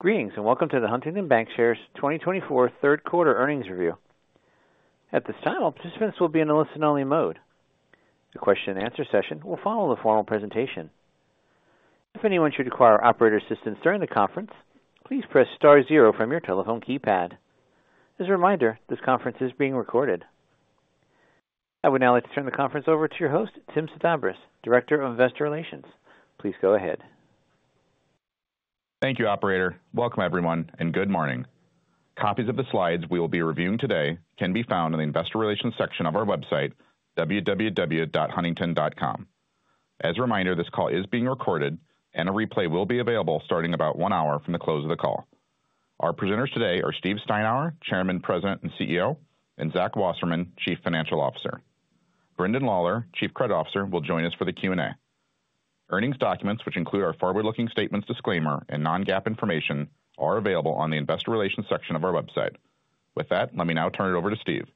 Greetings, and welcome to the Huntington Bancshares' 2024 third quarter earnings review. At this time, all participants will be in a listen-only mode. The question and answer session will follow the formal presentation. If anyone should require operator assistance during the conference, please press star zero from your telephone keypad. As a reminder, this conference is being recorded. I would now like to turn the conference over to your host, Tim Sedabres, Director of Investor Relations. Please go ahead. Thank you, operator. Welcome, everyone, and good morning. Copies of the slides we will be reviewing today can be found on the Investor Relations section of our website, www.huntington.com. As a reminder, this call is being recorded, and a replay will be available starting about one hour from the close of the call. Our presenters today are Steve Steinour, Chairman, President, and CEO, and Zach Wasserman, Chief Financial Officer. Brendan Lawlor, Chief Credit Officer, will join us for the Q&A. Earnings documents, which include our forward-looking statements disclaimer and non-GAAP information, are available on the Investor Relations section of our website. With that, let me now turn it over to Steve.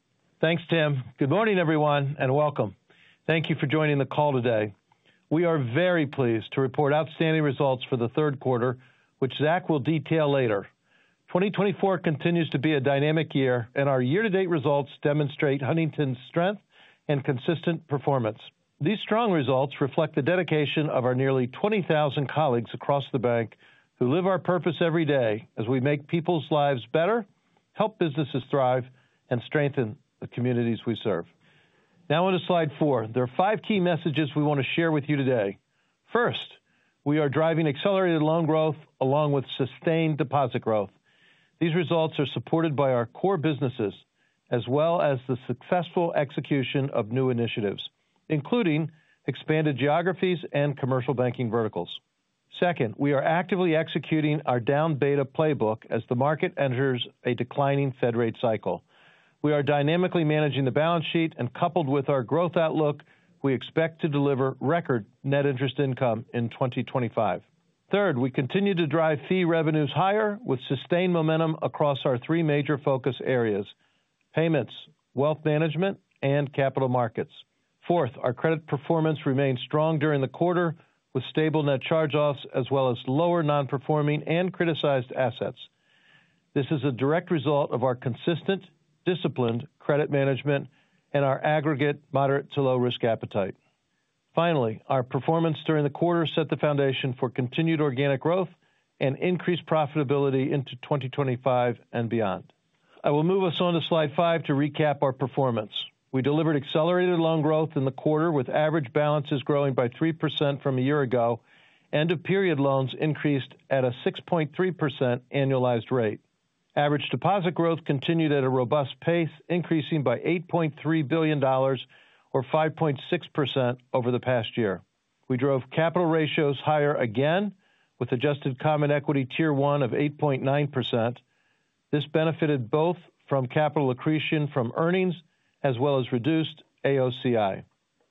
Thanks, Tim. Good morning, everyone, and welcome. Thank you for joining the call today. We are very pleased to report outstanding results for the third quarter, which Zach will detail later. Twenty twenty-four continues to be a dynamic year, and our year-to-date results demonstrate Huntington's strength and consistent performance. These strong results reflect the dedication of our nearly 20,000 colleagues across the bank who live our purpose every day as we make people's lives better, help businesses thrive, and strengthen the communities we serve. Now on to slide four. There are five key messages we want to share with you today. First, we are driving accelerated loan growth along with sustained deposit growth. These results are supported by our core businesses, as well as the successful execution of new initiatives, including expanded geographies and commercial banking verticals. Second, we are actively executing our down beta playbook as the market enters a declining Fed rate cycle. We are dynamically managing the balance sheet, and coupled with our growth outlook, we expect to deliver record net interest income in twenty twenty-five. Third, we continue to drive fee revenues higher with sustained momentum across our three major focus areas: payments, wealth management, and capital markets. Fourth, our credit performance remained strong during the quarter, with stable net charge-offs, as well as lower non-performing and criticized assets. This is a direct result of our consistent, disciplined credit management and our aggregate moderate to low risk appetite. Finally, our performance during the quarter set the foundation for continued organic growth and increased profitability into twenty twenty-five and beyond. I will move us on to slide five to recap our performance. We delivered accelerated loan growth in the quarter, with average balances growing by 3% from a year ago. End of period loans increased at a 6.3% annualized rate. Average deposit growth continued at a robust pace, increasing by $8.3 billion, or 5.6% over the past year. We drove capital ratios higher again, with adjusted common equity Tier 1 of 8.9%. This benefited both from capital accretion from earnings as well as reduced AOCI.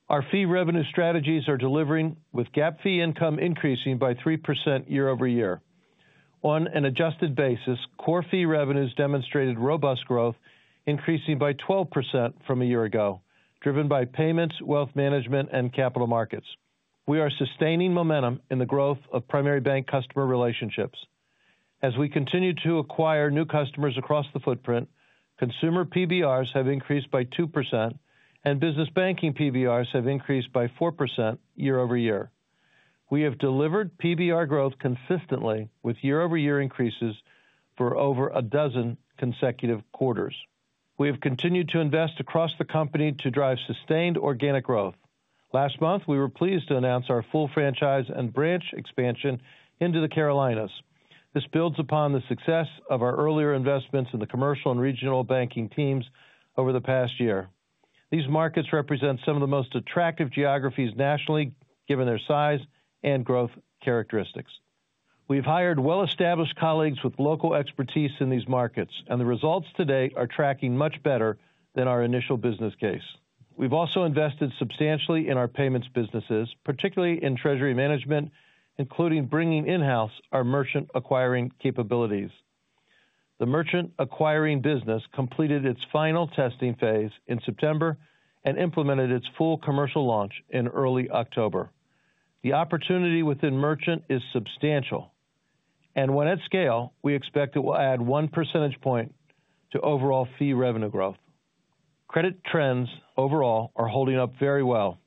Our fee revenue strategies are delivering, with GAAP fee income increasing by 3% year over year. On an adjusted basis, core fee revenues demonstrated robust growth, increasing by 12% from a year ago, driven by payments, wealth management, and capital markets. We are sustaining momentum in the growth of primary bank customer relationships. As we continue to acquire new customers across the footprint, consumer PBRs have increased by 2%, and business banking PBRs have increased by 4% year over year. We have delivered PBR growth consistently with year-over-year increases for over a dozen consecutive quarters. We have continued to invest across the company to drive sustained organic growth. Last month, we were pleased to announce our full franchise and branch expansion into the Carolinas. This builds upon the success of our earlier investments in the commercial and regional banking teams over the past year. These markets represent some of the most attractive geographies nationally, given their size and growth characteristics. We've hired well-established colleagues with local expertise in these markets, and the results today are tracking much better than our initial business case. We've also invested substantially in our payments businesses, particularly in treasury management, including bringing in-house our merchant acquiring capabilities. The merchant acquiring business completed its final testing phase in September and implemented its full commercial launch in early October. The opportunity within merchant is substantial, and when at scale, we expect it will add one percentage point to overall fee revenue growth. Credit trends overall are holding up very well,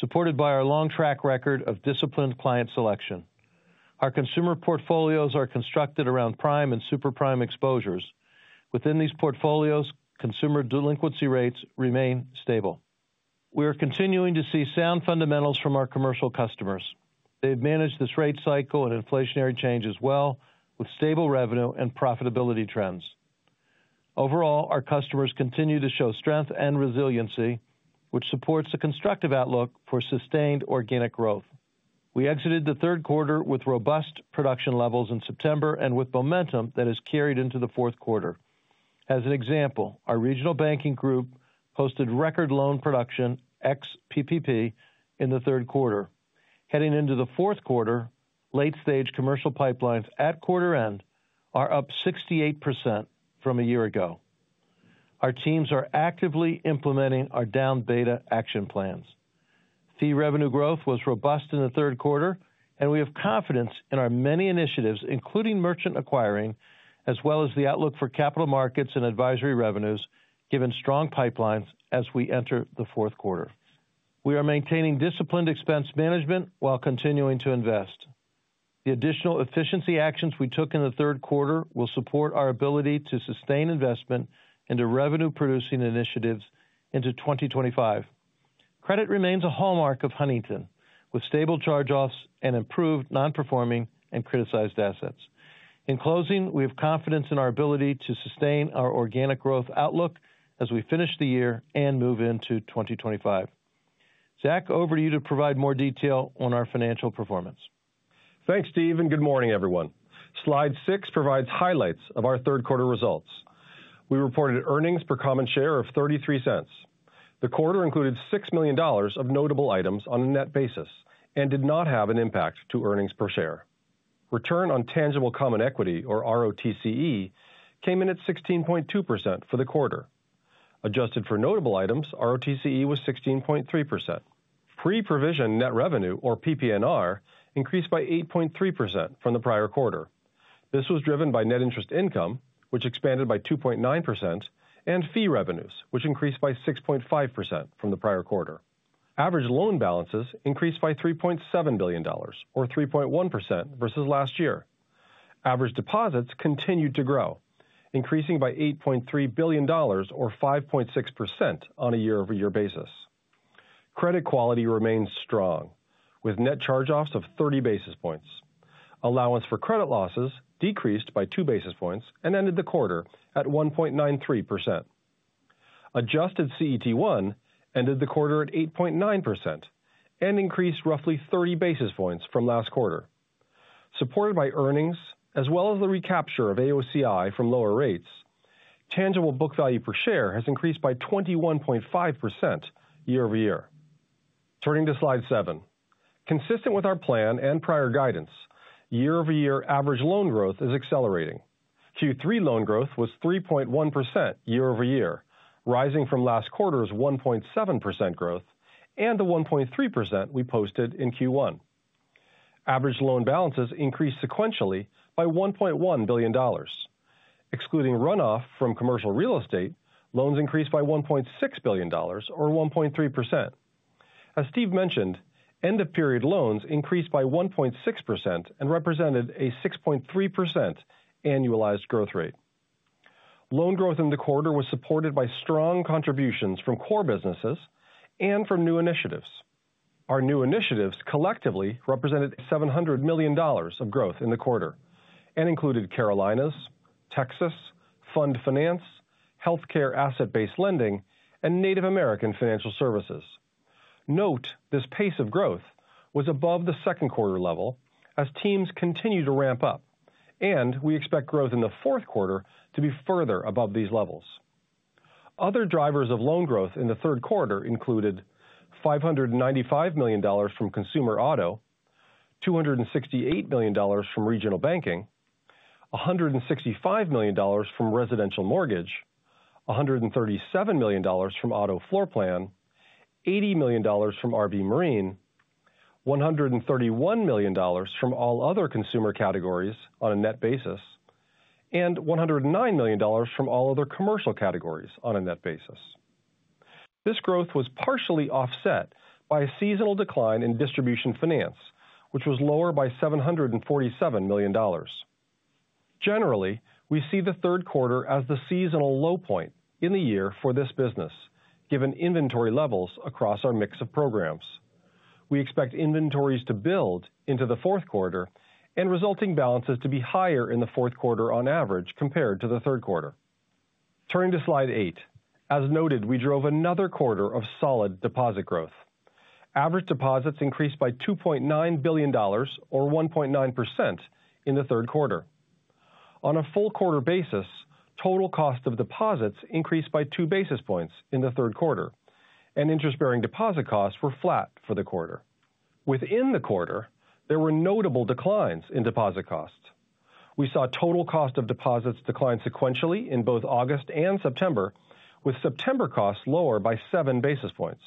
supported by our long track record of disciplined client selection. Our consumer portfolios are constructed around prime and super prime exposures. Within these portfolios, consumer delinquency rates remain stable. We are continuing to see sound fundamentals from our commercial customers. They've managed this rate cycle and inflationary change as well, with stable revenue and profitability trends. Overall, our customers continue to show strength and resiliency, which supports a constructive outlook for sustained organic growth. We exited the third quarter with robust production levels in September and with momentum that is carried into the fourth quarter. As an example, our regional banking group posted record loan production ex-PPP in the third quarter. Heading into the fourth quarter, late-stage commercial pipelines at quarter end are up 68% from a year ago. Our teams are actively implementing our down beta action plans. Fee revenue growth was robust in the third quarter, and we have confidence in our many initiatives, including merchant acquiring, as well as the outlook for capital markets and advisory revenues, given strong pipelines as we enter the fourth quarter. We are maintaining disciplined expense management while continuing to invest. The additional efficiency actions we took in the third quarter will support our ability to sustain investment into revenue-producing initiatives into 2025. Credit remains a hallmark of Huntington, with stable charge-offs and improved non-performing and criticized assets. In closing, we have confidence in our ability to sustain our organic growth outlook as we finish the year and move into twenty twenty-five. Zach, over to you to provide more detail on our financial performance. Thanks, Steve, and good morning, everyone. Slide six provides highlights of our third quarter results. We reported earnings per common share of $0.33. The quarter included $6 million of notable items on a net basis and did not have an impact to earnings per share. Return on tangible common equity, or ROTCE, came in at 16.2% for the quarter. Adjusted for notable items, ROTCE was 16.3%. Pre-provision net revenue, or PPNR, increased by 8.3% from the prior quarter. This was driven by net interest income, which expanded by 2.9%, and fee revenues, which increased by 6.5% from the prior quarter. Average loan balances increased by $3.7 billion, or 3.1%, versus last year. Average deposits continued to grow, increasing by $8.3 billion or 5.6% on a year-over-year basis. Credit quality remains strong, with net charge-offs of 30 basis points. Allowance for credit losses decreased by 2 basis points and ended the quarter at 1.93%. Adjusted CET1 ended the quarter at 8.9% and increased roughly 30 basis points from last quarter. Supported by earnings, as well as the recapture of AOCI from lower rates, tangible book value per share has increased by 21.5% year over year. Turning to slide seven. Consistent with our plan and prior guidance, year-over-year average loan growth is accelerating. Q3 loan growth was 3.1% year over year, rising from last quarter's 1.7% growth and the 1.3% we posted in Q1. Average loan balances increased sequentially by $1.1 billion. Excluding runoff from commercial real estate, loans increased by $1.6 billion, or 1.3%. As Steve mentioned, end-of-period loans increased by 1.6% and represented a 6.3% annualized growth rate. Loan growth in the quarter was supported by strong contributions from core businesses and from new initiatives. Our new initiatives collectively represented $700 million of growth in the quarter and included The Carolinas, Texas, Fund Finance, Healthcare Asset-Based Lending, and Native American Financial Services. Note, this pace of growth was above the second quarter level as teams continue to ramp up, and we expect growth in the fourth quarter to be further above these levels. Other drivers of loan growth in the third quarter included $595 million from consumer auto, $268 million from Regional Banking, $165 million from residential mortgage, $137 million from Auto Floorplan, $80 million from RV and Marine, $131 million from all other consumer categories on a net basis, and $109 million from all other commercial categories on a net basis. This growth was partially offset by a seasonal decline in Distribution Finance, which was lower by $747 million. Generally, we see the third quarter as the seasonal low point in the year for this business, given inventory levels across our mix of programs. We expect inventories to build into the fourth quarter and resulting balances to be higher in the fourth quarter on average, compared to the third quarter. Turning to slide eight. As noted, we drove another quarter of solid deposit growth. Average deposits increased by $2.9 billion, or 1.9%, in the third quarter. On a full quarter basis, total cost of deposits increased by two basis points in the third quarter, and interest-bearing deposit costs were flat for the quarter. Within the quarter, there were notable declines in deposit costs. We saw total cost of deposits decline sequentially in both August and September, with September costs lower by seven basis points.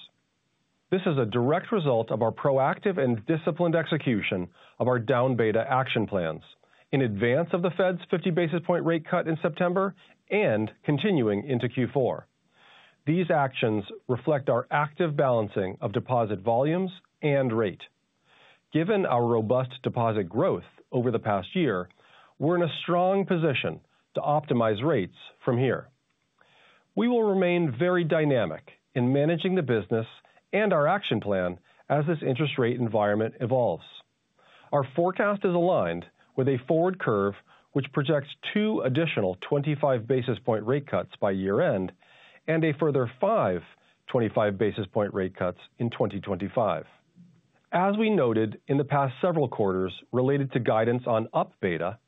This is a direct result of our proactive and disciplined execution of our down beta action plans in advance of the Fed's fifty basis point rate cut in September and continuing into Q4. These actions reflect our active balancing of deposit volumes and rate. Given our robust deposit growth over the past year, we're in a strong position to optimize rates from here. We will remain very dynamic in managing the business and our action plan as this interest rate environment evolves. Our forecast is aligned with a forward curve, which projects two additional twenty-five basis points rate cuts by year-end and a further five twenty-five basis points rate cuts in twenty twenty-five. As we noted in the past several quarters related to guidance on up beta,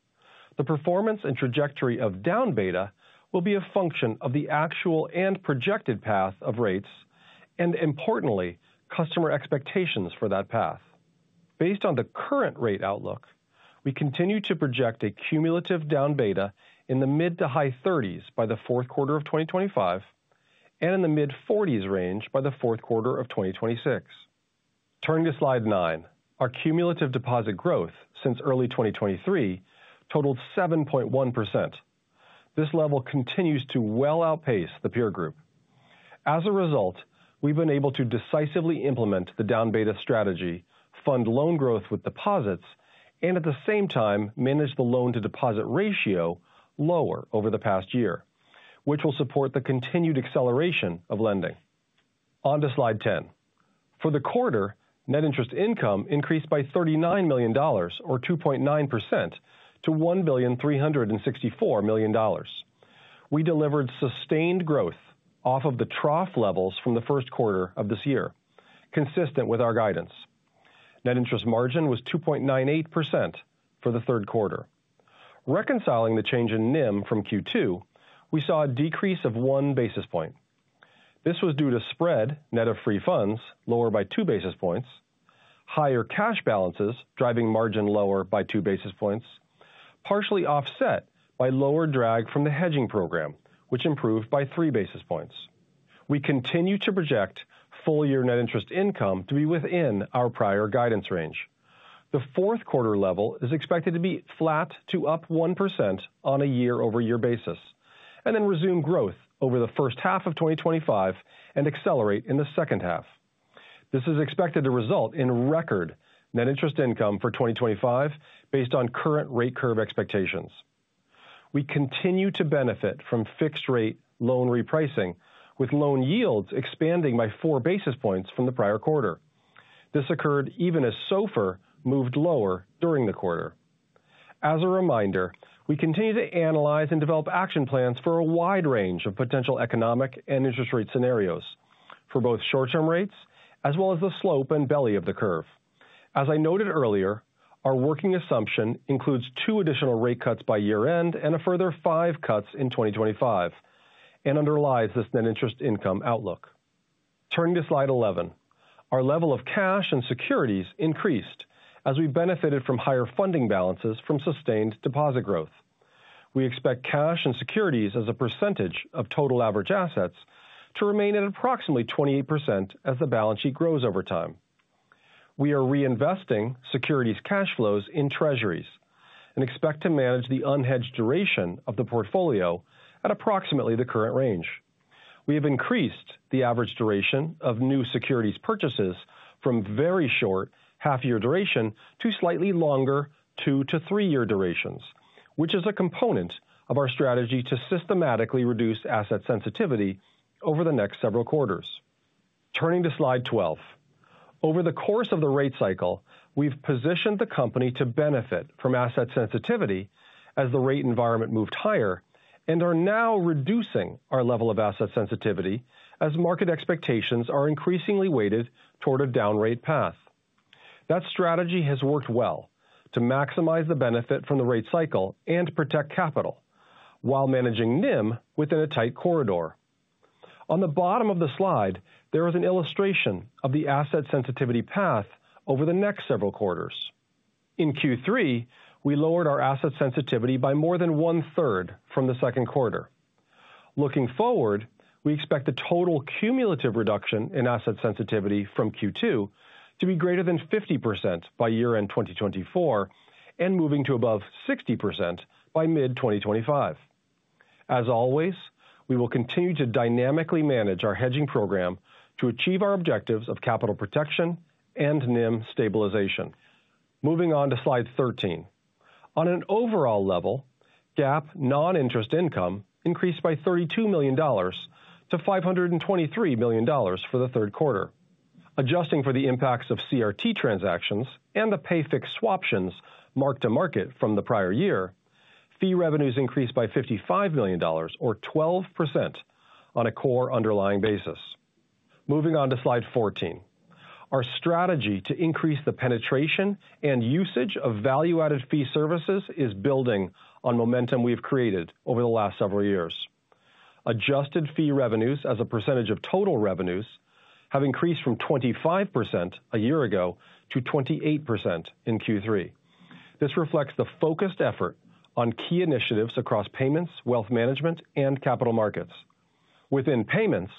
the performance and trajectory of down beta will be a function of the actual and projected path of rates and, importantly, customer expectations for that path. Based on the current rate outlook, we continue to project a cumulative down beta in the mid- to high-thirties by the fourth quarter of 2025, and in the mid-forties range by the fourth quarter of 2026. Turning to slide nine. Our cumulative deposit growth since early 2023 totaled 7.1%. This level continues to well outpace the peer group. As a result, we've been able to decisively implement the down beta strategy, fund loan growth with deposits, and at the same time, manage the loan-to-deposit ratio lower over the past year, which will support the continued acceleration of lending. On to slide ten. For the quarter, net interest income increased by $39 million, or 2.9%, to $1.364 billion. We delivered sustained growth off of the trough levels from the first quarter of this year, consistent with our guidance. Net interest margin was 2.98% for the third quarter. Reconciling the change in NIM from Q2, we saw a decrease of one basis point. This was due to spread net of free funds, lower by two basis points, higher cash balances, driving margin lower by two basis points, partially offset by lower drag from the hedging program, which improved by three basis points. We continue to project full year net interest income to be within our prior guidance range. The fourth quarter level is expected to be flat to up 1% on a year-over-year basis, and then resume growth over the first half of twenty twenty-five and accelerate in the second half. This is expected to result in record net interest income for twenty twenty-five based on current rate curve expectations. We continue to benefit from fixed rate loan repricing, with loan yields expanding by four basis points from the prior quarter. This occurred even as SOFR moved lower during the quarter. As a reminder, we continue to analyze and develop action plans for a wide range of potential economic and interest rate scenarios for both short-term rates as well as the slope and belly of the curve. As I noted earlier, our working assumption includes two additional rate cuts by year-end and a further five cuts in twenty twenty-five and underlies this net interest income outlook. Turning to slide 11. Our level of cash and securities increased as we benefited from higher funding balances from sustained deposit growth. We expect cash and securities as a percentage of total average assets, to remain at approximately 28% as the balance sheet grows over time. We are reinvesting securities cash flows in treasuries and expect to manage the unhedged duration of the portfolio at approximately the current range. We have increased the average duration of new securities purchases from very short half-year duration to slightly longer, 2- to 3-year durations, which is a component of our strategy to systematically reduce asset sensitivity over the next several quarters. Turning to slide 12. Over the course of the rate cycle, we've positioned the company to benefit from asset sensitivity as the rate environment moved higher and are now reducing our level of asset sensitivity as market expectations are increasingly weighted toward a down rate path. That strategy has worked well to maximize the benefit from the rate cycle and protect capital while managing NIM within a tight corridor. On the bottom of the slide, there is an illustration of the asset sensitivity path over the next several quarters. In Q3, we lowered our asset sensitivity by more than one-third from the second quarter. Looking forward, we expect a total cumulative reduction in asset sensitivity from Q2 to be greater than 50% by year-end 2024, and moving to above 60% by mid-2025. As always, we will continue to dynamically manage our hedging program to achieve our objectives of capital protection and NIM stabilization. Moving on to slide 13. On an overall level, GAAP non-interest income increased by $32 million to $523 million for the third quarter. Adjusting for the impacts of CRT transactions and the Pay-Fixed Swaptions mark-to-market from the prior year, fee revenues increased by $55 million or 12% on a core underlying basis. Moving on to slide 14. Our strategy to increase the penetration and usage of value-added fee services is building on momentum we've created over the last several years. Adjusted fee revenues as a percentage of total revenues have increased from 25% a year ago to 28% in Q3. This reflects the focused effort on key initiatives across payments, wealth management, and capital markets. Within payments,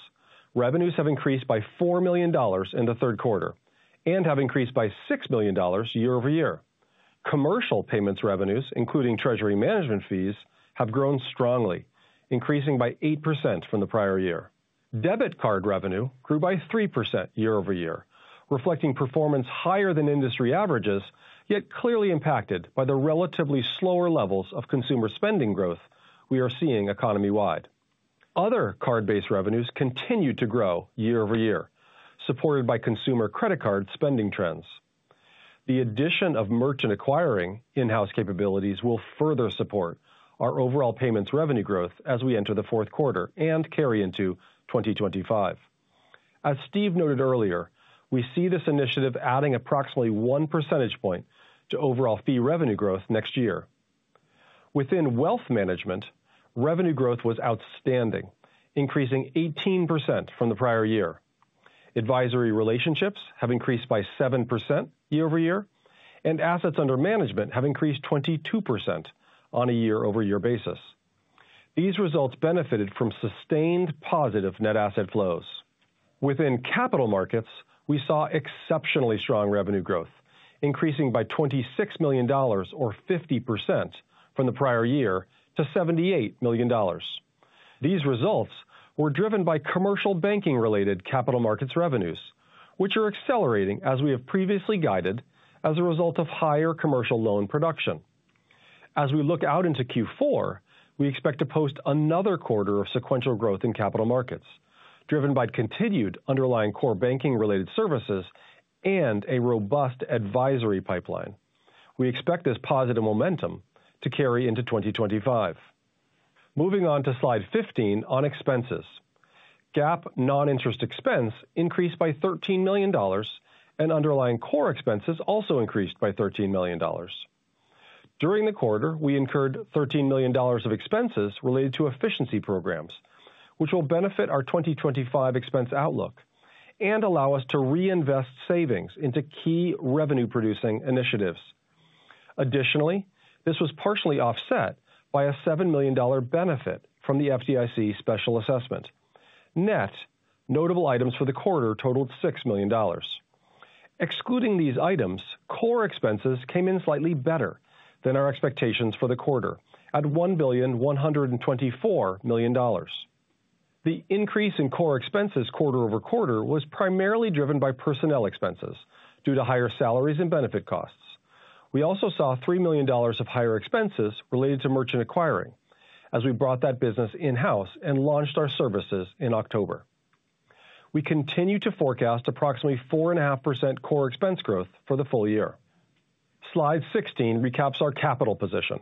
revenues have increased by $4 million in the third quarter and have increased by $6 million year over year. Commercial payments revenues, including treasury management fees, have grown strongly, increasing by 8% from the prior year. Debit card revenue grew by 3% year over year, reflecting performance higher than industry averages, yet clearly impacted by the relatively slower levels of consumer spending growth we are seeing economy-wide. Other card-based revenues continued to grow year over year, supported by consumer credit card spending trends. The addition of merchant acquiring in-house capabilities will further support our overall payments revenue growth as we enter the fourth quarter and carry into 2025. As Steve noted earlier, we see this initiative adding approximately 1 percentage point to overall fee revenue growth next year. Within wealth management, revenue growth was outstanding, increasing 18% from the prior year. Advisory relationships have increased by 7% year over year, and assets under management have increased 22% on a year-over-year basis. These results benefited from sustained positive net asset flows. Within capital markets, we saw exceptionally strong revenue growth, increasing by $26 million or 50% from the prior year to $78 million. These results were driven by commercial banking-related capital markets revenues, which are accelerating, as we have previously guided, as a result of higher commercial loan production. As we look out into Q4, we expect to post another quarter of sequential growth in capital markets, driven by continued underlying core banking-related services and a robust advisory pipeline. We expect this positive momentum to carry into 2025. Moving on to slide 15 on expenses. GAAP non-interest expense increased by $13 million, and underlying core expenses also increased by $13 million. During the quarter, we incurred $13 million of expenses related to efficiency programs, which will benefit our 2025 expense outlook and allow us to reinvest savings into key revenue-producing initiatives. Additionally, this was partially offset by a $7 million benefit from the FDIC special assessment. Net notable items for the quarter totaled $6 million. Excluding these items, core expenses came in slightly better than our expectations for the quarter at $1.124 billion. The increase in core expenses quarter over quarter was primarily driven by personnel expenses due to higher salaries and benefit costs. We also saw $3 million of higher expenses related to merchant acquiring as we brought that business in-house and launched our services in October. We continue to forecast approximately 4.5% core expense growth for the full year. Slide 16 recaps our capital position.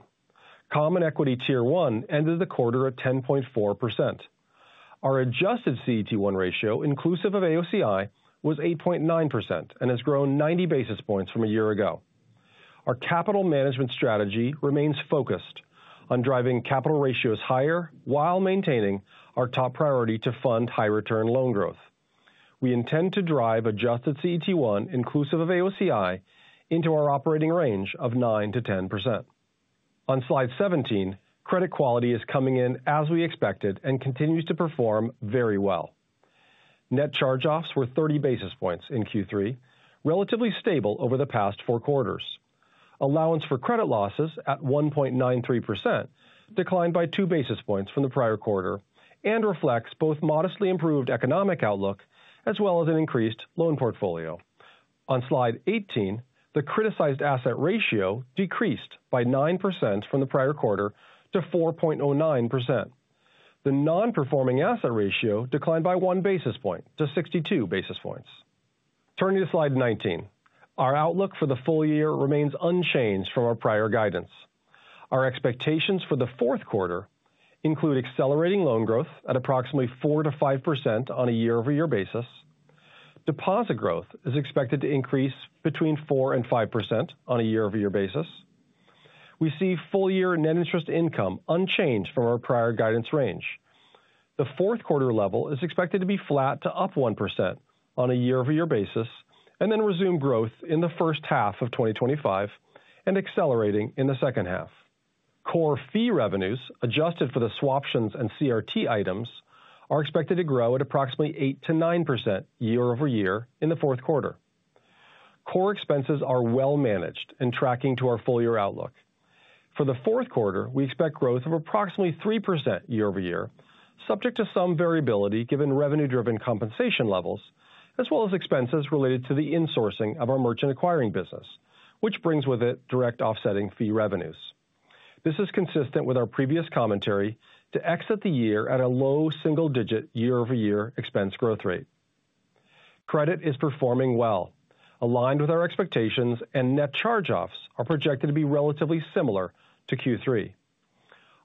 Common Equity Tier 1 ended the quarter at 10.4%. Our adjusted CET1 ratio, inclusive of AOCI, was 8.9% and has grown ninety basis points from a year ago. Our capital management strategy remains focused on driving capital ratios higher while maintaining our top priority to fund high return loan growth. We intend to drive adjusted CET1 inclusive of AOCI into our operating range of 9%-10%. On slide 17, credit quality is coming in as we expected and continues to perform very well. Net charge-offs were thirty basis points in Q3, relatively stable over the past four quarters. Allowance for credit losses at 1.93%, declined by two basis points from the prior quarter and reflects both modestly improved economic outlook as well as an increased loan portfolio. On slide eighteen, the criticized asset ratio decreased by 9% from the prior quarter to 4.09%. The non-performing asset ratio declined by one basis point to 62 basis points. Turning to slide nineteen. Our outlook for the full year remains unchanged from our prior guidance. Our expectations for the fourth quarter include accelerating loan growth at approximately 4%-5% on a year-over-year basis. Deposit growth is expected to increase between 4% and 5% on a year-over-year basis. We see full year net interest income unchanged from our prior guidance range. The fourth quarter level is expected to be flat to up 1% on a year-over-year basis, and then resume growth in the first half of 2025 and accelerating in the second half. Core fee revenues, adjusted for the swaptions and CRT items, are expected to grow at approximately 8%-9% year over year in the fourth quarter. Core expenses are well managed and tracking to our full year outlook. For the fourth quarter, we expect growth of approximately 3% year over year, subject to some variability given revenue-driven compensation levels, as well as expenses related to the insourcing of our merchant acquiring business, which brings with it direct offsetting fee revenues. This is consistent with our previous commentary to exit the year at a low single digit year-over-year expense growth rate. Credit is performing well, aligned with our expectations, and net charge-offs are projected to be relatively similar to Q3.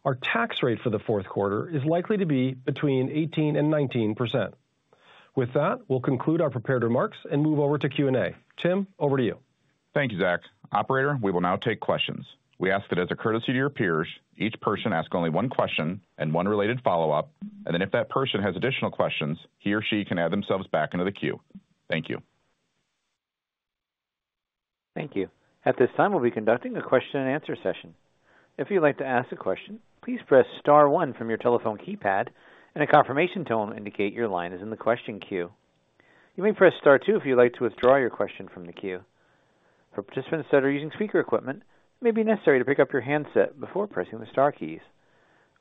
Our tax rate for the fourth quarter is likely to be between 18%-19%. With that, we'll conclude our prepared remarks and move over to Q&A. Tim, over to you. Thank you, Zach. Operator, we will now take questions. We ask that as a courtesy to your peers, each person ask only one question and one related follow-up, and then if that person has additional questions, he or she can add themselves back into the queue. Thank you. Thank you. At this time, we'll be conducting a question and answer session. If you'd like to ask a question, please press star one from your telephone keypad, and a confirmation tone will indicate your line is in the question queue. You may press star two if you'd like to withdraw your question from the queue. For participants that are using speaker equipment, it may be necessary to pick up your handset before pressing the star keys.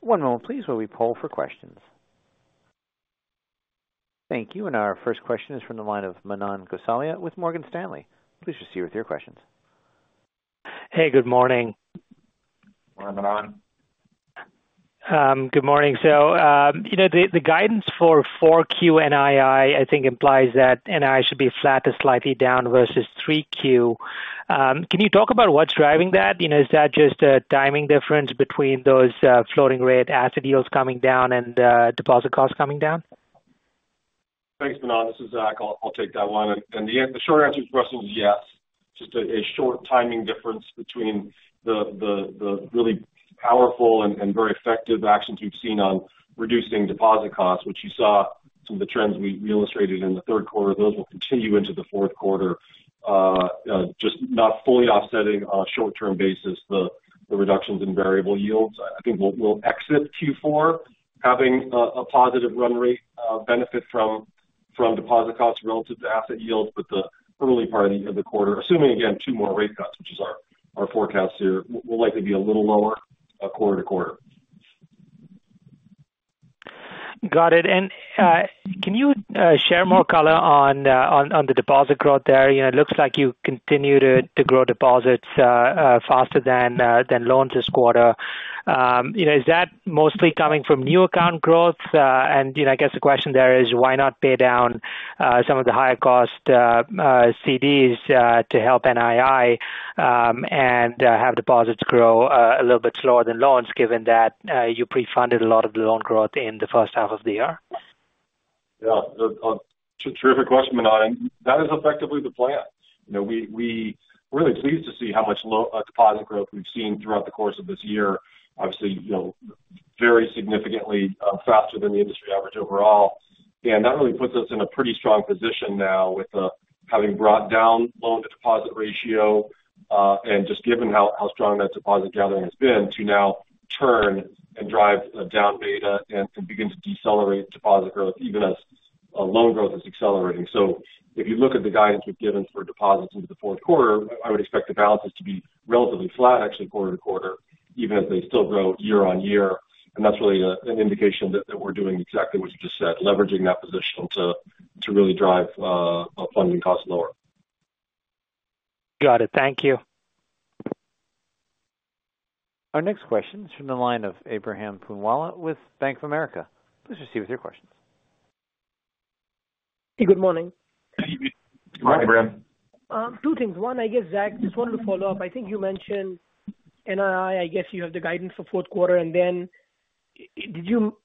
One moment, please, while we poll for questions. Thank you. And our first question is from the line of Manan Gosalia with Morgan Stanley. Please proceed with your questions. Hey, good morning. Good morning. Good morning. You know, the guidance for 4Q NII, I think, implies that NII should be flat to slightly down versus 3Q. Can you talk about what's driving that? You know, is that just a timing difference between those floating rate asset yields coming down and deposit costs coming down?... Thanks, Manan. This is Zach. I'll take that one. And the short answer to your question is yes. Just a short timing difference between the really powerful and very effective actions we've seen on reducing deposit costs, which you saw some of the trends we illustrated in the third quarter. Those will continue into the fourth quarter, just not fully offsetting on a short-term basis, the reductions in variable yields. I think we'll exit Q4 having a positive run rate benefit from deposit costs relative to asset yields. But the early part of the quarter, assuming again, two more rate cuts, which is our forecast here, will likely be a little lower, quarter to quarter. Got it. And, can you, share more color on, on the deposit growth there? You know, it looks like you continue to grow deposits faster than loans this quarter. You know, is that mostly coming from new account growth? And, you know, I guess the question there is why not pay down some of the higher cost CDs to help NII, and have deposits grow a little bit slower than loans, given that you pre-funded a lot of the loan growth in the first half of the year? Yeah. Terrific question, Manan. That is effectively the plan. You know, we really pleased to see how much deposit growth we've seen throughout the course of this year. Obviously, you know, very significantly faster than the industry average overall. And that really puts us in a pretty strong position now with having brought down loan to deposit ratio and just given how strong that deposit gathering has been, to now turn and drive down beta and begin to decelerate deposit growth, even as loan growth is accelerating. So if you look at the guidance we've given for deposits into the fourth quarter, I would expect the balances to be relatively flat, actually, quarter to quarter, even as they still grow year on year. And that's really an indication that we're doing exactly what you just said, leveraging that position to really drive our funding costs lower. Got it. Thank you. Our next question is from the line of Ebrahim Poonawala with Bank of America. Please proceed with your questions. Good morning. Good morning, Ebrahim. Two things. One, I guess, Zach, just wanted to follow up. I think you mentioned NII. I guess you have the guidance for fourth quarter, and then did you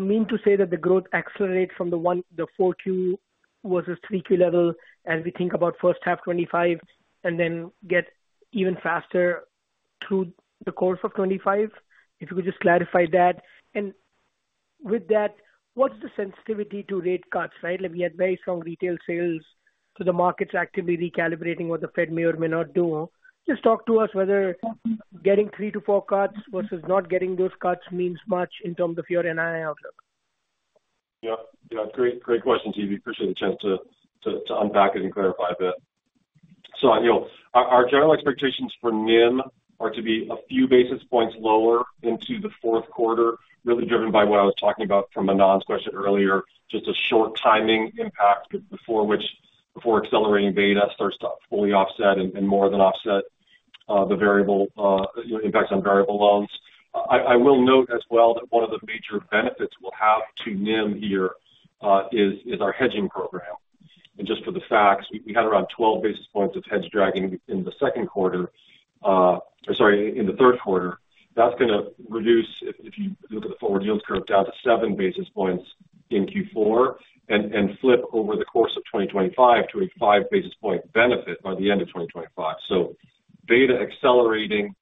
mean to say that the growth accelerate from the four Q versus three Q level as we think about first half 2025, and then get even faster through the course of 2025? If you could just clarify that. And with that, what's the sensitivity to rate cuts, right? Like, we had very strong retail sales, so the market's actively recalibrating what the Fed may or may not do. Just talk to us whether getting three to four cuts versus not getting those cuts means much in terms of your NII outlook. Yeah. Yeah, great, great question, EV. Appreciate the chance to unpack it and clarify a bit. So, you know, our general expectations for NIM are to be a few basis points lower into the fourth quarter, really driven by what I was talking about from Manan's question earlier. Just a short timing impact before accelerating beta starts to fully offset and more than offset the variable, you know, impacts on variable loans. I will note as well, that one of the major benefits we'll have to NIM here is our hedging program. And just for the facts, we had around 12 basis points of hedge dragging in the third quarter. That's gonna reduce if you look at the forward yields curve, down to seven basis points in Q4, and flip over the course of twenty twenty-five to a five basis point benefit by the end of twenty twenty-five. Beta accelerating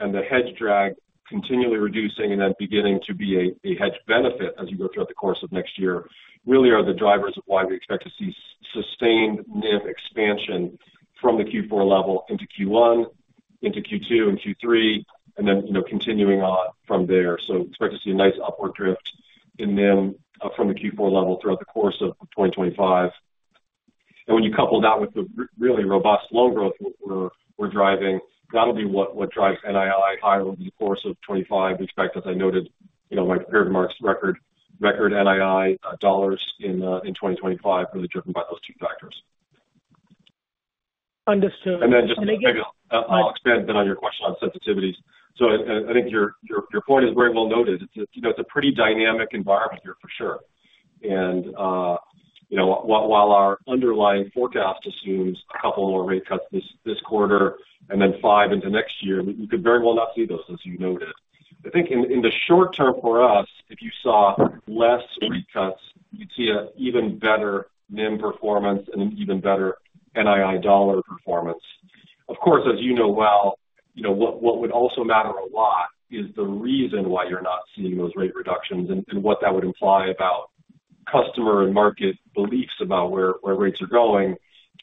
and the hedge drag continually reducing and then beginning to be a hedge benefit as you go throughout the course of next year really are the drivers of why we expect to see sustained NIM expansion from the Q4 level into Q1, into Q2 and Q3, and then, you know, continuing on from there. Expect to see a nice upward drift in NIM from the Q4 level throughout the course of twenty twenty-five. When you couple that with the really robust loan growth we're driving, that'll be what drives NII high over the course of twenty-five. We expect, as I noted, you know, like a pair of marquee records, record NII and record deposits in 2025, really driven by those two factors. Understood. Then just maybe I'll expand on your question on sensitivities. I think your point is very well noted. It's, you know, it's a pretty dynamic environment here, for sure. You know, while our underlying forecast assumes a couple more rate cuts this quarter and then five into next year, we could very well not see those, as you noted. I think in the short term for us, if you saw less rate cuts, you'd see a even better NIM performance and an even better NII dollar performance. Of course, as you know well, you know, what would also matter a lot is the reason why you're not seeing those rate reductions and what that would imply about customer and market beliefs about where rates are going.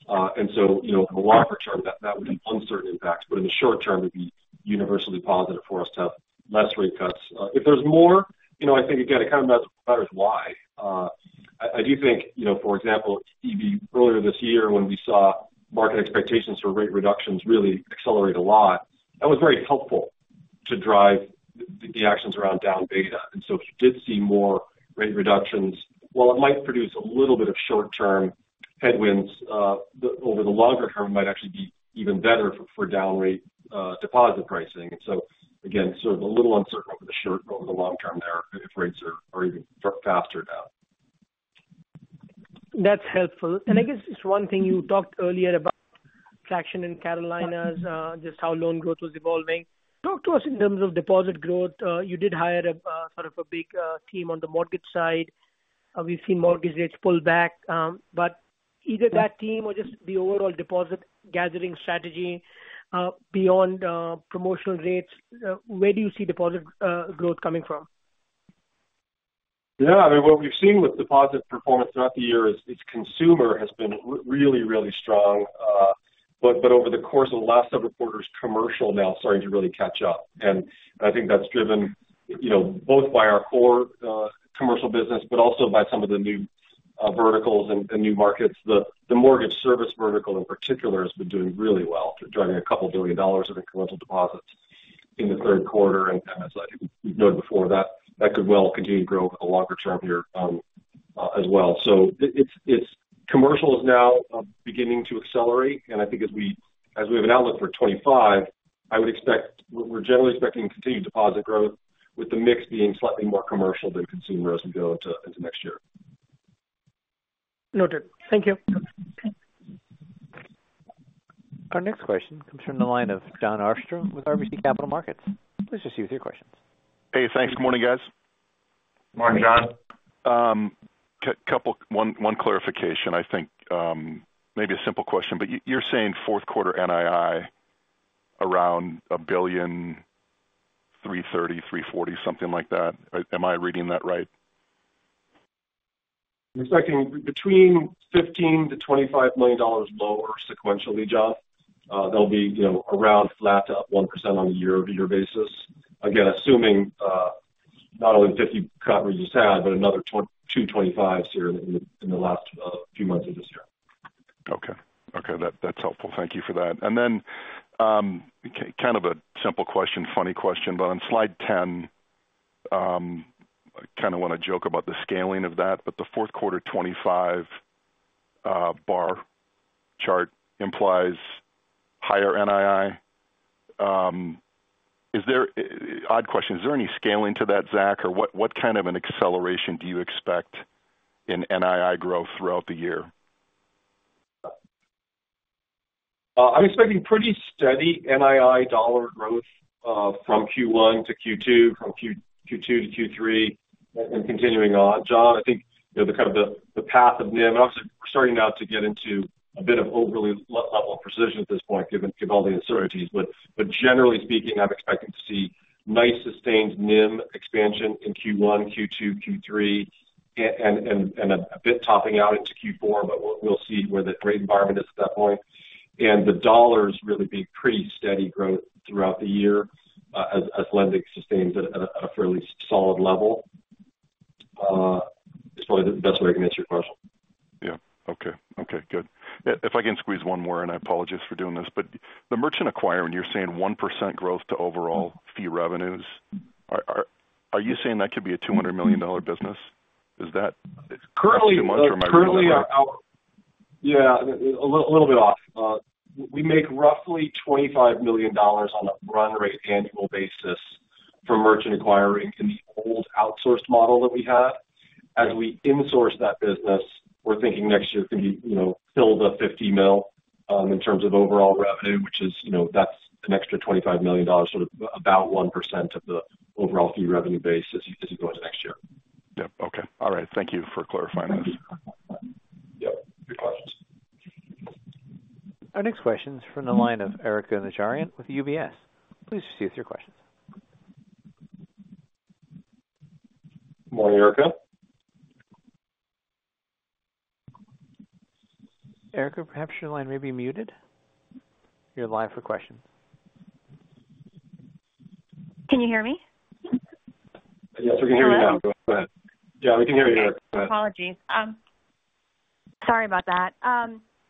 And so, you know, in the longer term, that would be uncertain impacts, but in the short term, it'd be universally positive for us to have less rate cuts. If there's more, you know, I think, again, it kind of matters why. I do think, you know, for example, EV, earlier this year when we saw market expectations for rate reductions really accelerate a lot, that was very helpful to drive the actions around down beta. And so if you did see more rate reductions, while it might produce a little bit of short-term headwinds, over the longer term, it might actually be even better for down rate deposit pricing. And so again, sort of a little uncertain over the short, but over the long term there, if rates even faster down. That's helpful. And I guess just one thing you talked earlier about-... traction in Carolinas, just how loan growth was evolving. Talk to us in terms of deposit growth. You did hire a sort of a big team on the mortgage side. We've seen mortgage rates pull back, but either that team or just the overall deposit gathering strategy, beyond promotional rates, where do you see deposit growth coming from? Yeah, I mean, what we've seen with deposit performance throughout the year is its consumer has been really, really strong. But over the course of the last several quarters, commercial now starting to really catch up. And I think that's driven, you know, both by our core commercial business, but also by some of the new verticals and new markets. The mortgage service vertical in particular has been doing really well, driving a couple billion dollars of incremental deposits in the third quarter. And as I noted before, that could well continue to grow over the longer term here, as well. It's commercial is now beginning to accelerate, and I think as we have an outlook for 2025, I would expect we're generally expecting continued deposit growth, with the mix being slightly more commercial than consumer as we go into next year. Noted. Thank you. Our next question comes from the line of Jon Arfstrom with RBC Capital Markets. Please proceed with your questions. Hey, thanks. Good morning, guys. Morning, Jon. One clarification. I think, maybe a simple question, but you're saying fourth quarter NII around $1.33-$1.34 billion, something like that. Am I reading that right? We're expecting between $15 million to $25 million lower sequentially, John. That'll be, you know, around flat to up 1% on a year-over-year basis. Again, assuming not only 50 coverage you have, but another two 25s here in the last few months of this year. Okay. Okay, that's helpful. Thank you for that. And then, kind of a simple question, funny question, but on slide 10, I kind of want to joke about the scaling of that, but the fourth quarter 2025 bar chart implies higher NII. Is there... Odd question, is there any scaling to that, Zach, or what kind of an acceleration do you expect in NII growth throughout the year? I'm expecting pretty steady NII dollar growth from Q1 to Q2, from Q2 to Q3, and continuing on. John, I think, you know, the kind of the path of NIM, obviously, we're starting now to get into a bit of overly level of precision at this point, given all the uncertainties. But generally speaking, I'm expecting to see nice, sustained NIM expansion in Q1, Q2, Q3, and a bit topping out into Q4, but we'll see where the rate environment is at that point. And the dollar's really been pretty steady growth throughout the year, as lending sustains at a fairly solid level. So that's the way I can answer your question. Yeah. Okay, good. If I can squeeze one more, and I apologize for doing this, but the merchant acquirer, you're saying 1% growth to overall fee revenues. Are you saying that could be a $200 million business? Is that- Currently- Too much or...? Currently, yeah, a little bit off. We make roughly $25 million on a run rate annual basis from merchant acquiring in the old outsourced model that we had. As we insource that business, we're thinking next year could be, you know, build up $50 million in terms of overall revenue, which is, you know, that's an extra $25 million, sort of about 1% of the overall fee revenue base as you go into next year. Yep. Okay. All right. Thank you for clarifying that. Yep. Good questions. Our next question is from the line of. Please proceed with your questions. Morning, Erika. Erika, perhaps your line may be muted. You're live for questions. Can you hear me? Yes, we can hear you now. Go ahead. Yeah, we can hear you, Erika. Apologies. Sorry about that.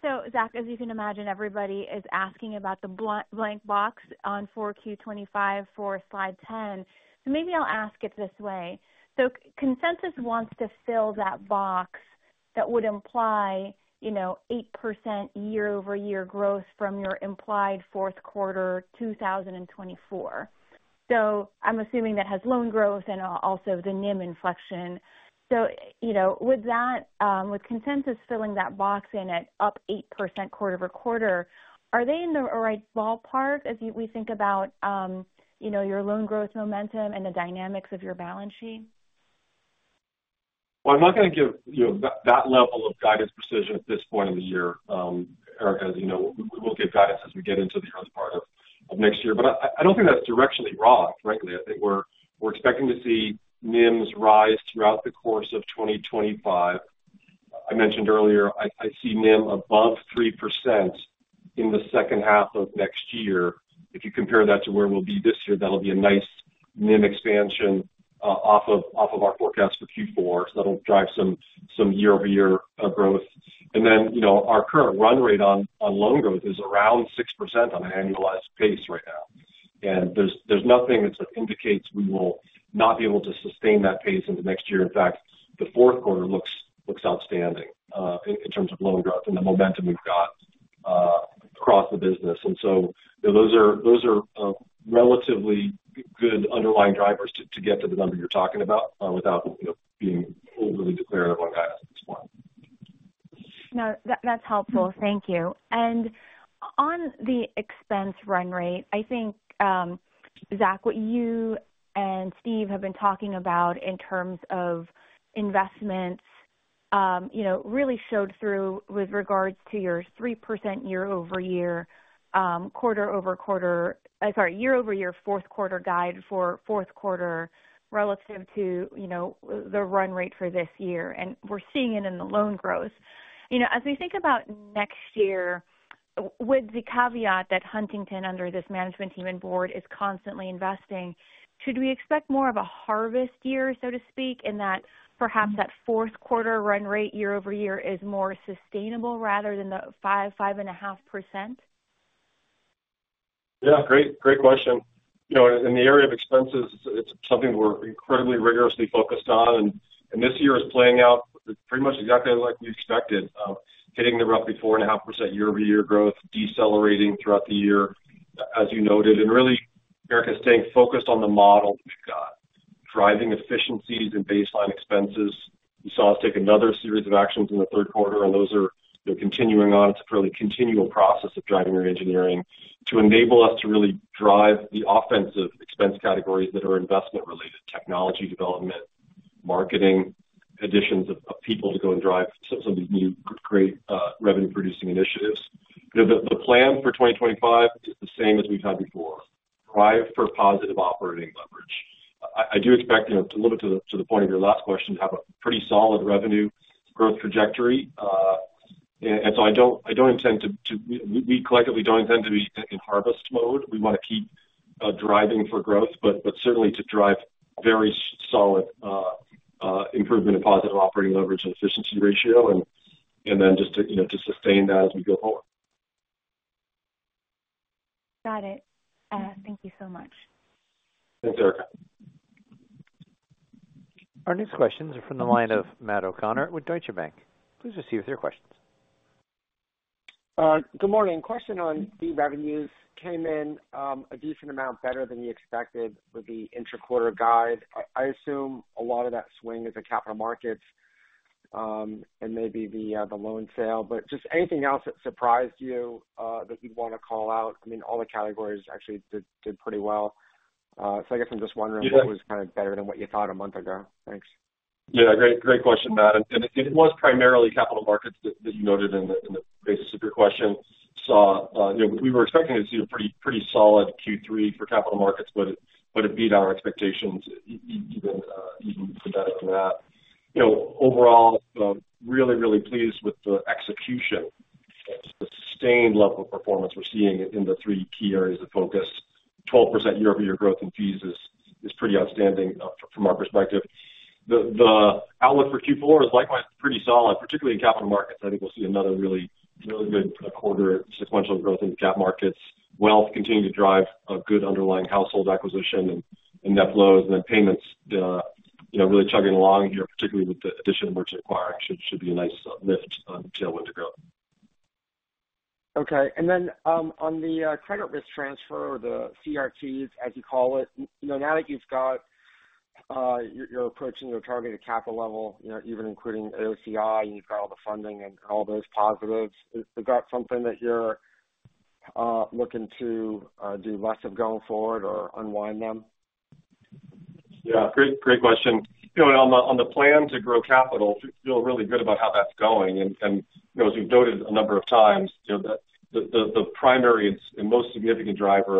So Zach, as you can imagine, everybody is asking about the blank box on 4Q25 for slide 10. So maybe I'll ask it this way: So consensus wants to fill that box that would imply, you know, 8% year-over-year growth from your implied fourth quarter 2024. So I'm assuming that has loan growth and also the NIM inflection. So, you know, with that, with consensus filling that box in at up 8% quarter over quarter, are they in the right ballpark as we think about, you know, your loan growth momentum and the dynamics of your balance sheet? I'm not going to give, you know, that level of guidance precision at this point in the year. Erika, as you know, we'll give guidance as we get into the first part of next year. But I don't think that's directionally wrong, frankly. I think we're expecting to see NIMs rise throughout the course of twenty twenty-five. I mentioned earlier, I see NIM above 3% in the second half of next year. If you compare that to where we'll be this year, that'll be a nice NIM expansion off of our forecast for Q4. So that'll drive some year-over-year growth. And then, you know, our current run rate on loan growth is around 6% on an annualized pace right now. And there's nothing that indicates we will not be able to sustain that pace into next year. In fact, the fourth quarter looks outstanding in terms of loan growth and the momentum we've got across the business. And so, you know, those are relatively good underlying drivers to get to the number you're talking about without, you know, being overly declarative on guidance at this point.... No, that, that's helpful. Thank you. And on the expense run rate, I think, Zach, what you and Steve have been talking about in terms of investments, you know, really showed through with regards to your 3% year-over-year, quarter over quarter - I'm sorry, year-over-year fourth quarter guide for fourth quarter relative to, you know, the run rate for this year, and we're seeing it in the loan growth. You know, as we think about next year, with the caveat that Huntington, under this management team and board, is constantly investing, should we expect more of a harvest year, so to speak, in that perhaps that fourth quarter run rate year-over-year is more sustainable rather than the 5, 5.5%? Yeah, great, great question. You know, in the area of expenses, it's something we're incredibly rigorously focused on, and this year is playing out pretty much exactly like we expected, hitting the roughly 4.5% year-over-year growth, decelerating throughout the year, as you noted, and really, Erika, staying focused on the model we've got. Driving efficiencies and baseline expenses. You saw us take another series of actions in the third quarter, and those are, you know, continuing on. It's a fairly continual process of driving reengineering to enable us to really drive the offensive expense categories that are investment related, technology development, marketing, additions of people to go and drive some of these new great revenue producing initiatives. You know, the plan for 2025 is the same as we've had before, drive for positive operating leverage. I do expect, you know, to limit to the point of your last question, to have a pretty solid revenue growth trajectory, and so I don't intend to. We collectively don't intend to be in harvest mode. We want to keep driving for growth, but certainly to drive very solid improvement in positive operating leverage and efficiency ratio, and then just to, you know, to sustain that as we go forward. Got it. Thank you so much. Thanks, Erika. Our next questions are from the line of Matt O'Connor with Deutsche Bank. Please proceed with your questions. Good morning. Question on fee revenues came in, a decent amount better than you expected with the interquarter guide. I assume a lot of that swing is the capital markets, and maybe the loan sale. But just anything else that surprised you, that you'd want to call out? I mean, all the categories actually did pretty well. So I guess I'm just wondering- Yeah. What was kind of better than what you thought a month ago? Thanks. Yeah, great question, Matt, and it was primarily capital markets that you noted in the basis of your question. So, you know, we were expecting to see a pretty solid Q3 for capital markets, but it beat our expectations even better than that. You know, overall, really pleased with the execution, the sustained level of performance we're seeing in the three key areas of focus. 12% year-over-year growth in fees is pretty outstanding from our perspective. The outlook for Q4 is likewise pretty solid, particularly in capital markets. I think we'll see another really good quarter sequential growth in the cap markets. Wealth continuing to drive a good underlying household acquisition and net flows, and then payments, you know, really chugging along here, particularly with the addition of merchant acquiring, should be a nice lift, tailwind to growth. Okay. And then, on the credit risk transfer or the CRTs, as you call it, you know, now that you've got, you're approaching your targeted capital level, you know, even including AOCI, and you've got all the funding and all those positives, is that something that you're looking to do less of going forward or unwind them? Yeah, great, great question. You know, on the plan to grow capital, feel really good about how that's going, and you know, as we've noted a number of times, you know, the primary and most significant driver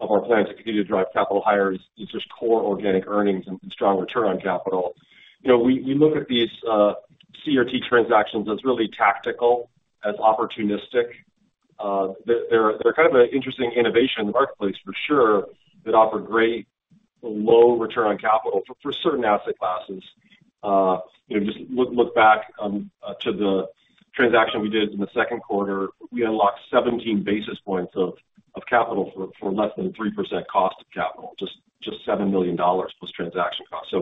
of our plans to continue to drive capital higher is just core organic earnings and strong return on capital. You know, we look at these CRT transactions as really tactical, as opportunistic. They're kind of an interesting innovation in the marketplace for sure, that offer great low return on capital for certain asset classes. You know, just look back to the transaction we did in the second quarter. We unlocked 17 basis points of capital for less than 3% cost of capital, just $7 million plus transaction costs.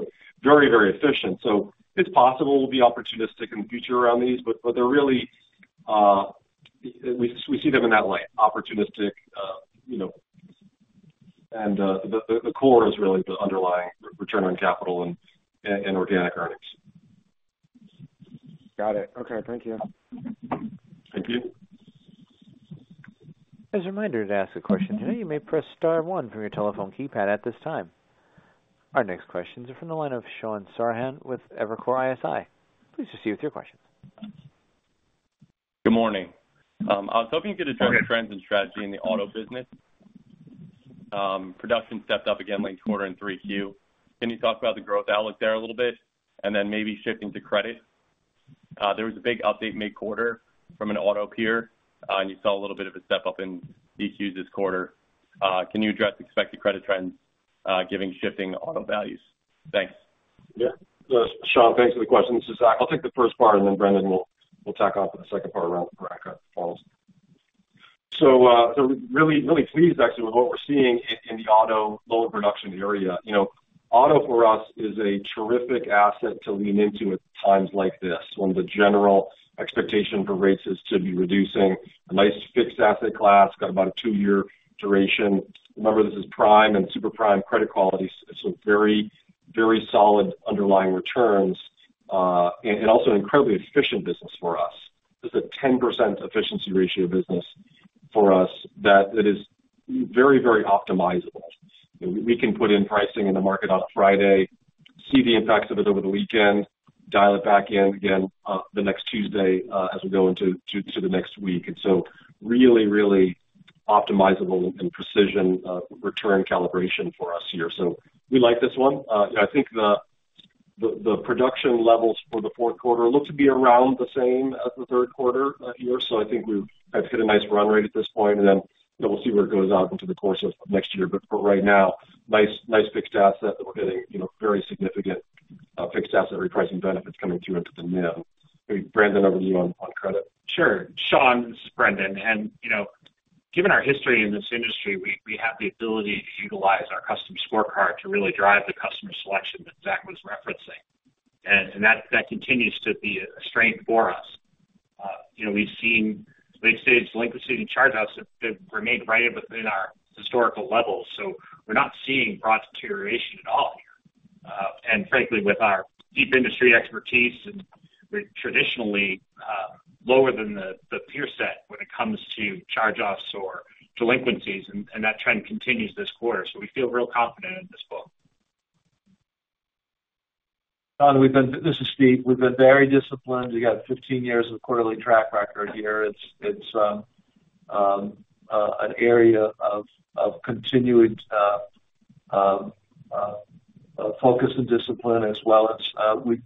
Very, very efficient. It's possible we'll be opportunistic in the future around these, but they're really, we see them in that light, opportunistic, you know, and the core is really the underlying return on capital and organic earnings. Got it. Okay, thank you. Thank you. As a reminder, to ask a question today, you may press star one from your telephone keypad at this time. Our next questions are from the line of John Pancari with Evercore ISI. Please proceed with your questions. Good morning. I was hoping you could address- Good morning. The trends and strategy in the auto business. Production stepped up again late quarter in 3Q. Can you talk about the growth outlook there a little bit? And then maybe shifting to credit. There was a big update mid-quarter from an auto peer, and you saw a little bit of a step up in DQs this quarter. Can you address expected credit trends, giving shifting auto values? Thanks. Yeah. John, thanks for the question. This is Zach. I'll take the first part, and then Brendan will tack on for the second part around Black Book falls. So, so really, really pleased actually with what we're seeing in the auto loan production area. You know, auto for us is a terrific asset to lean into at times like this, when the general expectation for rates is to be reducing. A nice fixed asset class, got about a two-year duration. Remember, this is prime and super prime credit quality, so very solid underlying returns, and also incredibly efficient business for us. This is a 10% efficiency ratio business for us that it is very, very optimizable. We can put in pricing in the market on a Friday, see the impacts of it over the weekend, dial it back in again the next Tuesday as we go into the next week. So really, really optimizable and precision return calibration for us here. So we like this one. I think the production levels for the fourth quarter look to be around the same as the third quarter year. So I think we've had to hit a nice run rate at this point, and then, you know, we'll see where it goes out into the course of next year. But for right now, nice, nice fixed asset that we're getting, you know, very significant fixed asset repricing benefits coming through into the NIM. Brendan, over to you on credit. Sure. John, this is Brendan, and, you know, given our history in this industry, we have the ability to utilize our custom scorecard to really drive the customer selection that Zach was referencing. And that continues to be a strength for us. You know, we've seen late stage delinquency and charge-offs that remain right within our historical levels, so we're not seeing broad deterioration at all here. And frankly, with our deep industry expertise and we're traditionally lower than the peer set when it comes to charge-offs or delinquencies, and that trend continues this quarter. So we feel real confident in this book. John, we've been—this is Steve. We've been very disciplined. We've got fifteen years of quarterly track record here. It's an area of continuing focus and discipline as well as we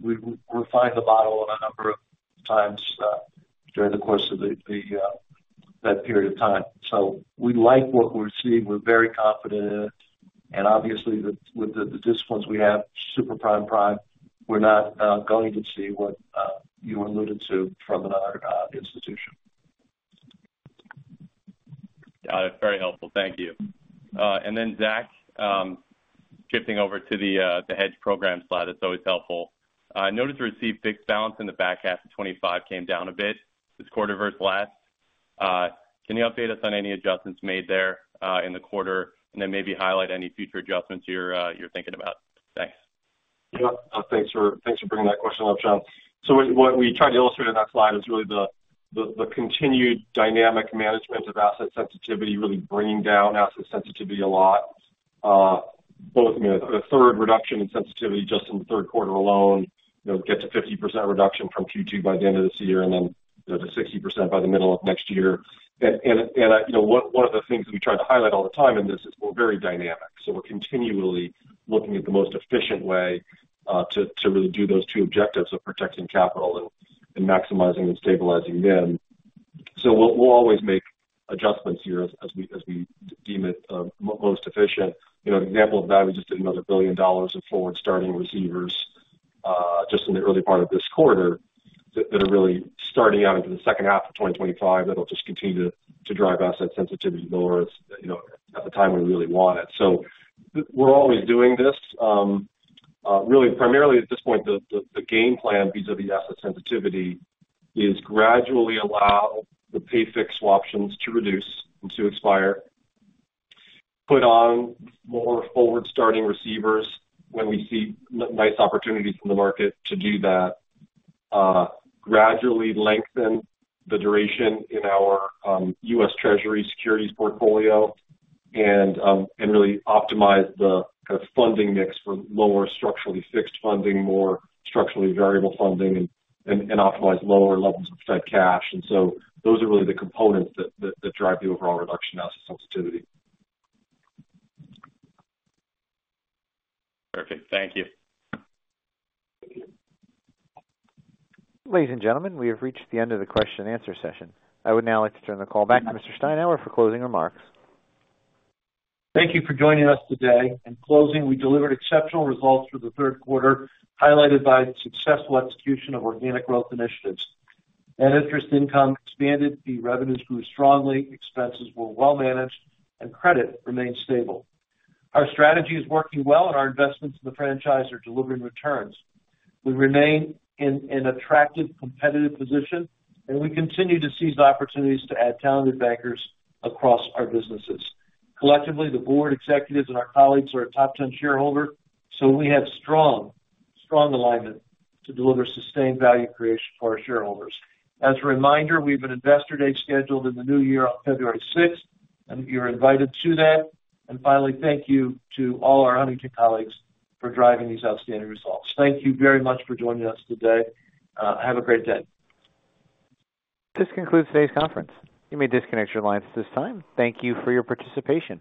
refined the model a number of times during the course of that period of time. So we like what we're seeing. We're very confident in it, and obviously with the disciplines we have, super prime, prime, we're not going to see what you alluded to from another institution. Got it. Very helpful. Thank you. And then, Zach, shifting over to the hedge program slide, it's always helpful. I noticed the receive-fixed balance in the back half of twenty-five came down a bit this quarter versus last. Can you update us on any adjustments made there in the quarter, and then maybe highlight any future adjustments you're thinking about? Thanks. Yeah. Thanks for, thanks for bringing that question up, John. So what, what we tried to illustrate on that slide is really the, the, the continued dynamic management of asset sensitivity, really bringing down asset sensitivity a lot. Both, you know, a third reduction in sensitivity just in the third quarter alone, you know, get to 50% reduction from Q2 by the end of this year, and then, you know, to 60% by the middle of next year. And, you know, one of the things we try to highlight all the time in this is we're very dynamic, so we're continually looking at the most efficient way to really do those two objectives of protecting capital and maximizing and stabilizing NIM. So we'll always make adjustments here as we deem it most efficient. You know, an example of that, we just did another $1 billion in forward starting receivers just in the early part of this quarter, that are really starting out into the second half of 2025. That'll just continue to drive asset sensitivity lower, you know, at the time we really want it. So we're always doing this. Really, primarily at this point, the game plan vis-à-vis asset sensitivity is gradually allow the pay-fixed options to reduce and to expire, put on more forward-starting receivers when we see nice opportunities in the market to do that, gradually lengthen the duration in our U.S. Treasury securities portfolio, and really optimize the kind of funding mix for lower structurally fixed funding, more structurally variable funding, and optimize lower levels of Fed cash. And so those are really the components that drive the overall reduction asset sensitivity. Perfect. Thank you. Ladies and gentlemen, we have reached the end of the question-and-answer session. I would now like to turn the call back to Mr. Steinour for closing remarks. Thank you for joining us today. In closing, we delivered exceptional results for the third quarter, highlighted by the successful execution of organic growth initiatives. Net interest income expanded, the revenues grew strongly, expenses were well managed, and credit remained stable. Our strategy is working well, and our investments in the franchise are delivering returns. We remain in an attractive, competitive position, and we continue to seize opportunities to add talented bankers across our businesses. Collectively, the board executives and our colleagues are a top ten shareholder, so we have strong, strong alignment to deliver sustained value creation for our shareholders. As a reminder, we have an Investor Day scheduled in the new year on February sixth, and you're invited to that. And finally, thank you to all our Huntington colleagues for driving these outstanding results. Thank you very much for joining us today. Have a great day. This concludes today's conference. You may disconnect your lines at this time. Thank you for your participation.